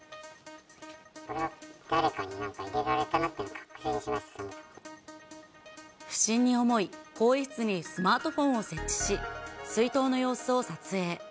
これは誰かに何か入れられた不審に思い、更衣室にスマートフォンを設置し、水筒の様子を撮影。